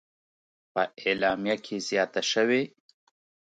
په اعلامیه کې زیاته شوې: